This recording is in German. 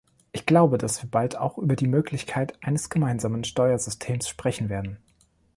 Ich glaube, dass wir bald auch über die Möglichkeit eines gemeinsamen Steuersystems sprechen werden.